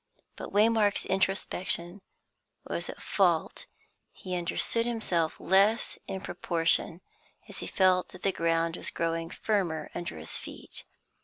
But Waymark's introspection was at fault; he understood himself less in proportion as he felt that the ground was growing firmer under his feet.